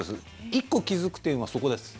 １個気付く点はそこです。